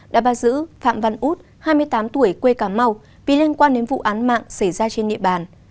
đã bắt giữ phạm văn út hai mươi tám tuổi quê cà mau vì liên quan đến vụ án mạng xảy ra trên địa bàn